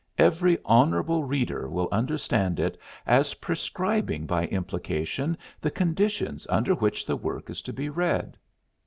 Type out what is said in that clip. Every honorable reader will understand it as prescribing by implication the conditions under which the work is to be read."